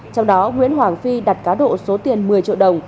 trong đó nguyễn hoàng phi đặt cá độ số tiền một mươi triệu đồng